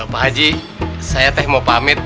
pak haji saya teh mau pamit